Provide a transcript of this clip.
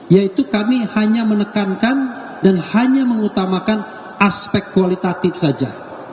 yaitu kami hanya menekankan dan hanya mengutamakan aspek kualitatif saja